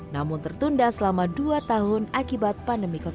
namun tertunda selama dua tahun akibat pandemi covid sembilan belas